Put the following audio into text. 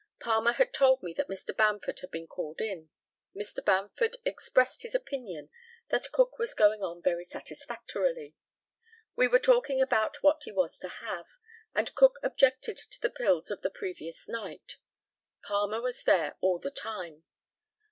Palmer had told me that Mr. Bamford had been called in. Mr. Bamford expressed his opinion that Cook was going on very satisfactorily. We were talking about what he was to have, and Cook objected to the pills of the previous night. Palmer was there all the time.